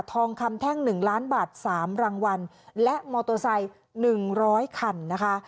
ทองคำแท่ง๑ล้านบาท๓รางวัลและมอเตอร์ไซค์๑๐๐คันนะคะ